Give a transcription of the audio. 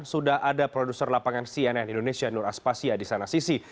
sudah ada produser lapangan cnn indonesia nur aspasya di sana sisi